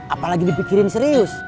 apalagi dipikirin serius